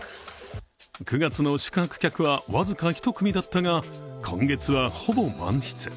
９月の宿泊客は僅か１組だったが今月はほぼ満室。